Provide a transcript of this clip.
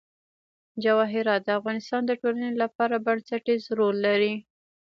جواهرات د افغانستان د ټولنې لپاره بنسټيز رول لري.